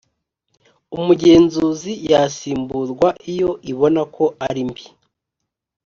umugenzuzi yasimburwa iyo ibona ko ari mbi